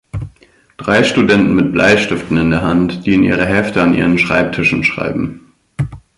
Drei Studenten mit Bleistiften in der Hand, die in ihre Hefte an ihren Schreibtischen schreiben.